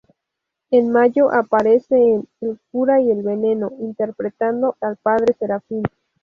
En mayo aparece en "El Cura y el Veneno", interpretando al Padre Serafín.